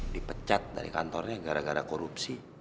dipecat dari kantornya gara gara korupsi